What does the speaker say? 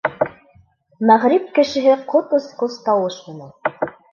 Мәғриб кешеһе ҡот осҡос тауыш менән: